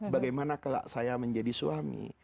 bagaimana kalau saya menjadi suami